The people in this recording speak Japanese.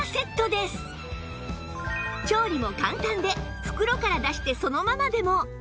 調理も簡単で袋から出してそのままでも